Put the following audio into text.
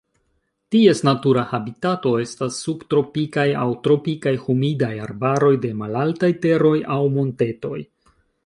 Ties natura habitato estas subtropikaj aŭ tropikaj humidaj arbaroj de malaltaj teroj aŭ montetoj.